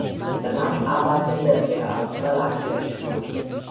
Danach arbeitete er als Verlagslektor.